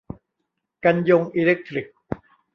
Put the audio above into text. กันยงอีเลคทริก